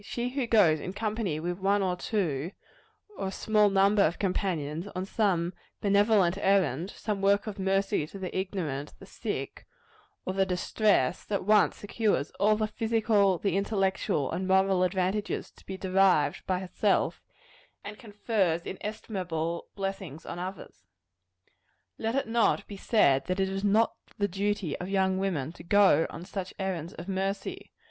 She who goes in company with one or two, or a small number of companions, on some benevolent errand some work of mercy to the ignorant, the sick, or the distressed at once secures all the physical, the intellectual, and the moral advantages to be derived by herself, and confers inestimable blessings on others. Let it not be said that it is not he duty of young women to go on such errands of mercy.